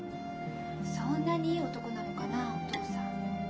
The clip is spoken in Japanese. そんなにいい男なのかなお父さん。